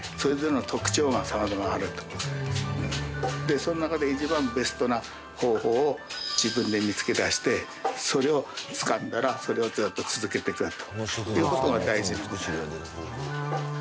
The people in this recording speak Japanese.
その中で一番ベストな方法を自分で見つけ出してそれをつかんだらそれをずっと続けていくということが大事なんだよ